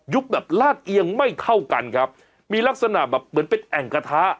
แบบลาดเอียงไม่เท่ากันครับมีลักษณะแบบเหมือนเป็นแอ่งกระทะ